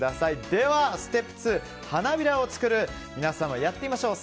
では、ステップ２花びらを作る、やってみましょう。